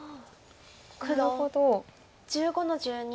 なるほど。